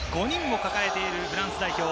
ＮＢＡ選手５人を抱えているフランス代表。